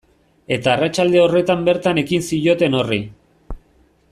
Eta arratsalde horretan bertan ekin zioten horri.